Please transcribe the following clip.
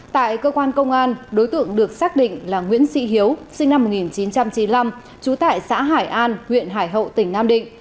tại cơ quan công an đối tượng được xác định là nguyễn sĩ hiếu sinh năm một nghìn chín trăm chín mươi năm trú tại xã hải an huyện hải hậu tỉnh nam định